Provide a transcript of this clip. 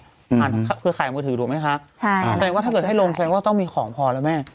เครือข่ายมือถือถูกไหมคะใช่แสดงว่าถ้าเกิดให้ลงแทงก็ต้องมีของพอแล้วแม่